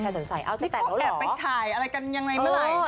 ใครสนใส่อ้าวจะแต่งแล้วเหรอพี่ก็แอบไปถ่ายอะไรกันยังไงเมื่อไหร่